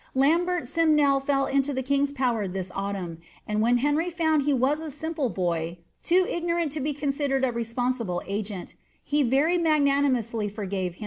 Lambert Sinmel fell into the king's puwi It sutumD ; and when Henry found he was a simple boy, too ignorad ' be rumidered a rcspoDBible agent, he very magnanimously forgavfl ■..